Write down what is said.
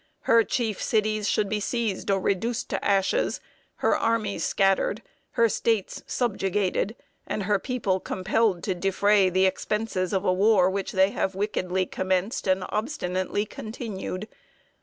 Her chief cities should be seized or reduced to ashes; her armies scattered, her States subjugated, and her people compelled to defray the expenses of a war which they have wickedly commenced and obstinately continued.